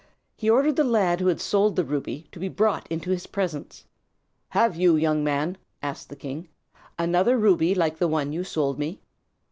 He ordered the lad who had sold the ruby, to be brought into his presence. "Have you, young man," asked the king, "another ruby like the one you sold me?"